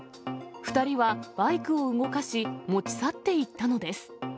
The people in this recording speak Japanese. ２人はバイクを動かし、持ち去っていったのです。